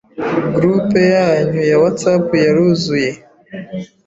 Cgroup yanyu ya whatsapp yaruzuye